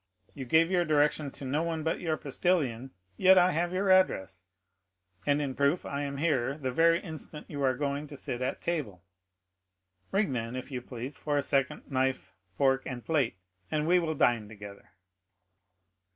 You gave your direction to no one but your postilion, yet I have your address, and in proof I am here the very instant you are going to sit at table. Ring, then, if you please, for a second knife, fork, and plate, and we will dine together."